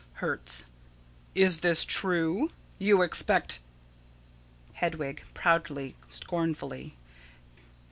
_] Hertz: Is this true? You expect Hedwig: [_Proudly, scornfully.